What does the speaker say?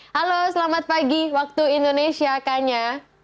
halo selamat pagi waktu indonesia kana